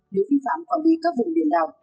nếu vi phạm quản lý các vùng điền đảo